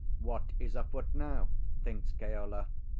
"What is afoot now?" thinks Keola.